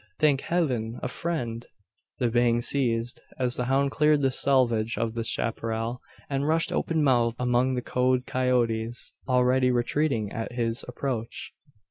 thank Heaven, a friend_!" The baying ceased, as the hound cleared the selvage of the chapparal, and rushed open mouthed among the cowed coyotes already retreating at his approach!